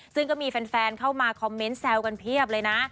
ซึ่งก็มีแฟนเข้ามาคอมเมนต์แซวกันเพียบเลยนะ